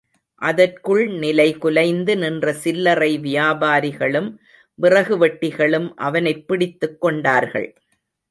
அதற்குள் நிலைகுலைந்து நின்ற சில்லறை வியாபாரிகளும் விறகு வெட்டிகளும் அவனைப் பிடித்துக் கொண்டார்கள்.